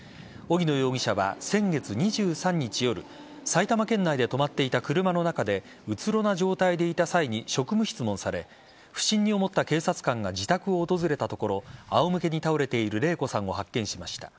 荻野容疑者は先月２３日夜埼玉県内で止まっていた車の中でうつろな状態でいた際に職務質問され不審に思った警察官が自宅を訪れたところあおむけに倒れている礼子さんを発見しました。